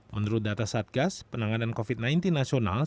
menurut data satgas penanganan covid sembilan belas nasional